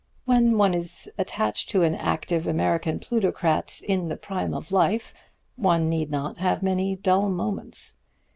When one is attached to an active American plutocrat in the prime of life one need not have many dull moments.